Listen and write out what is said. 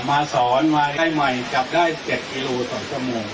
มาสอนมาได้ใหม่จับได้๗กิโลต่อชั่วโมง